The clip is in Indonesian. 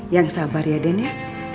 yang sabar ya den ya